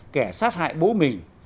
kẻ sát hại bố mình